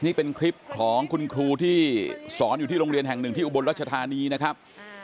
นี่เป็นคลิปของคุณครูที่สอนอยู่ที่โรงเรียนแห่งหนึ่งที่อุบลรัชธานีนะครับ